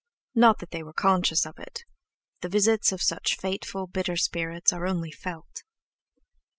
Not that they were conscious of it—the visits of such fateful, bitter spirits are only felt.